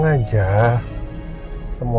ingin tahu jawaban kamu nina